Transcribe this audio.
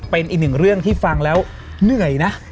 เป็นอีกหนึ่งเรื่องที่ฟังแล้วเหนื่อยนะ